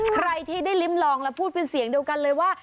ใครที่ได้ลิ้มลองแล้วพูดเป็นเสียงเดียวกันเลยว่า